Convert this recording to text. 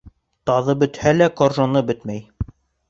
Таҙы бөтһә лә, ҡоржоно бөтмәй.